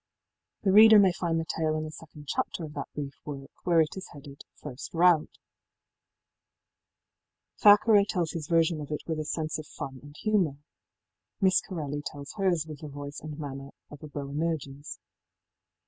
í The reader may find the tale in the second chapter of that brief work, where it is headed ëFirst Rout.í Thackeray tells his version of it with a sense of fun and humour. Miss Corelli tells hers with the voice and manner of a Boanerges..